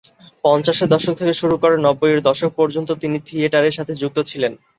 পঞ্চাশের দশক থেকে শুরু করে নব্বইয়ের দশক পর্যন্ত তিনি থিয়েটারের সাথে যুক্ত ছিলেন।